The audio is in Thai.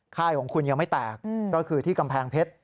ค่ายของคุณยังไม่แตกก็คือที่กำแพงเพชร